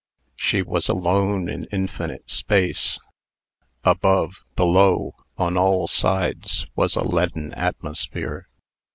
She was alone in infinite space. Above, below, on all sides, was a leaden atmosphere.